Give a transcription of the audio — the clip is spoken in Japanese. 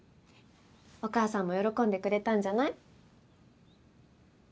お母さんも喜んでくれたんじゃない？